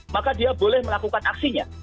maka dia boleh melakukan aksinya